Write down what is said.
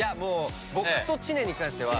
僕と知念に関しては。